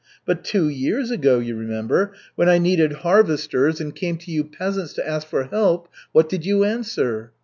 But two years ago, you remember, when I needed harvesters and came to you peasants to ask for help, what did you answer?